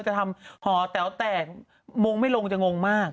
จะทำหอแต๋วแตกมงไม่ลงจะงงมาก